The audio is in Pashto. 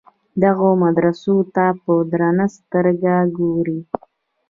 دغو مدرسو ته په درنه سترګه ګوري.